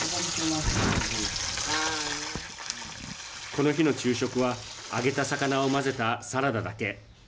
この日の昼食は揚げた魚を混ぜたサラダだけ。